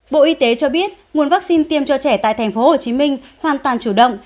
bộ y tế cho biết nguồn vaccine tiêm cho trẻ tại tp hcm hoàn toàn chủ động